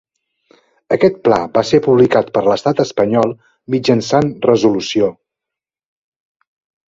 Aquest pla va ser publicat per l'Estat espanyol mitjançant resolució.